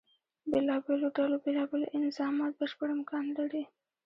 بېلابېلو ډلو بیلا بیل انظامات بشپړ امکان لري.